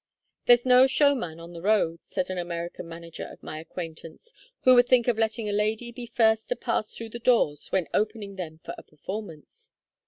'There's no showman on the road,' said an American manager of my acquaintance, 'who would think of letting a lady be first to pass through the doors when opening them for a performance.